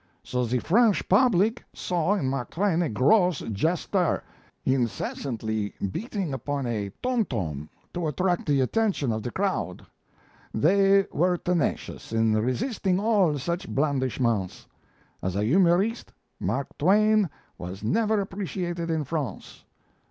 So the French public saw in Mark Twain a gross jester, incessantly beating upon a tom tom to attract the attention of the crowd. They were tenacious in resisting all such blandishments .... As a humorist, Mark Twain was never appreciated in France.